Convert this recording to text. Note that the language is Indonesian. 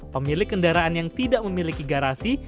pemilik kendaraan yang tidak memiliki garasi